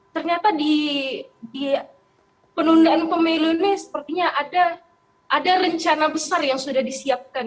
ternyata di penundaan pemilu ini sepertinya ada rencana besar yang sudah disiapkan